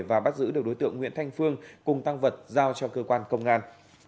và bắt giữ được đối tượng nguyễn thanh phương cùng tăng vật giao cho cơ quan công an